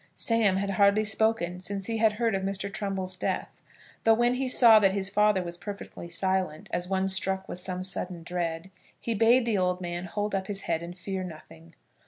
Sam had hardly spoken since he had heard of Mr. Trumbull's death; though when he saw that his father was perfectly silent, as one struck with some sudden dread, he bade the old man hold up his head and fear nothing.